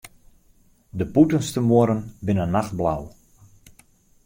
De bûtenste muorren binne nachtblau.